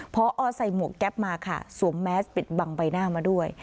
พอใส่หมวกแก๊ปมาค่ะสวมแมสปิดบังใบหน้ามาด้วย